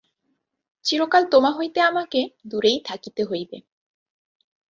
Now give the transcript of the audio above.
চিরকাল তোমা হইতে আমাকে দূরেই থাকিতে হইবে।